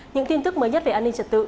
những tin tức mới nhất về an ninh trật tự